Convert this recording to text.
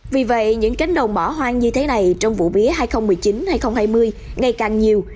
vì vậy những cánh đồng bỏ hoang như thế này trong vụ mía hai nghìn một mươi chín hai nghìn hai mươi ngày càng nhiều